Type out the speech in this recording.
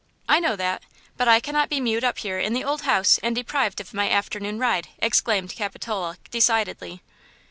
"I know that; but I cannot be mewed up here in the old house and deprived of my afternoon ride," exclaimed Capitola, decidedly.